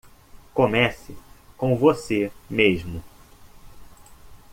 Comece com você mesmo